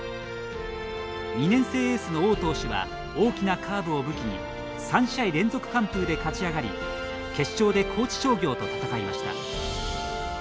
２年生エースの王投手は大きなカーブを武器に３試合連続完封で勝ち上がり決勝で高知商業と戦いました。